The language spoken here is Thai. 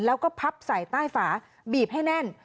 แล้วก็พับใส่ใต้ฝาบีบให้แน่น